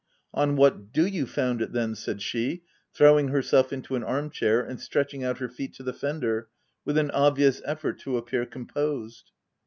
" On what do you found it then?" said she, throwing herself into an arm chair, and stretch ing out her feet to the fender, with an obvious effort to appear composed.